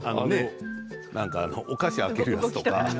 お菓子を開けるやつとか。